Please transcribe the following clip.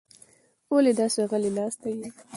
ولې داسې غلې ناسته یې؟